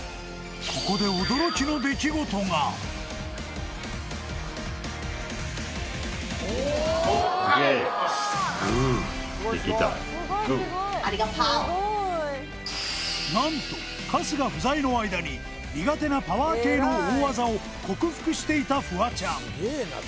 ここで何と春日不在の間に苦手なパワー系の大技を克服していたフワちゃん